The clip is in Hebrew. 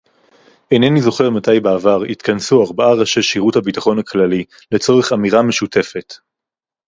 אינני זוכר מתי בעבר התכנסו ארבעה ראשי שירות הביטחון הכללי לצורך אמירה משותפת